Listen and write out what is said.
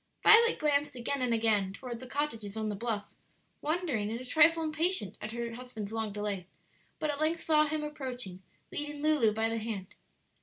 Violet glanced again and again toward the cottages on the bluff, wondering and a trifle impatient at her husband's long delay, but at length saw him approaching, leading Lulu by the hand.